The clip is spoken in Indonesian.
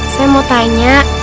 saya mau tanya